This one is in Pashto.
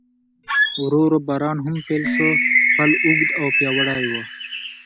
ورو ورو باران هم پیل شو، پل اوږد او پیاوړی و.